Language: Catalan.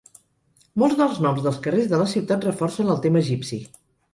Molts dels noms dels carrers de la ciutat reforcen el tema "egipci".